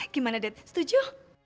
gimana dad setuju